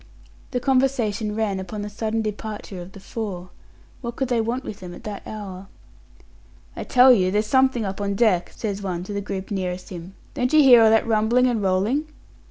The conversation ran upon the sudden departure of the four. What could they want with them at that hour? "I tell you there's something up on deck," says one to the group nearest him. "Don't you hear all that rumbling and rolling?"